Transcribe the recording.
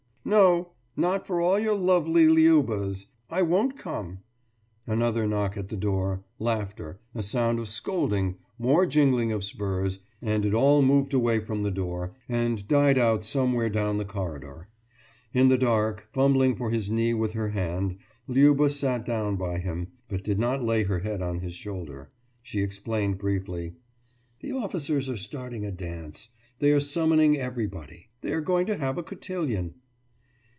No, not for all your 'lovely Liubas'. I won't come.« Another knock at the door, laughter, a sound of scolding, more jingling of spurs, and it all moved away from the door, and died out somewhere down the corridor. In the dark, fumbling for his knee with her hand, Liuba sat down by him, but did not lay her head on his shoulder. She explained briefly: »The officers are starting a dance. They are summoning everybody. They are going to have a cotillion.